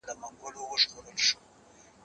کېدای سي تکړښت ستړی وي،